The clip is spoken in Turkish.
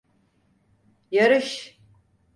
Yarış!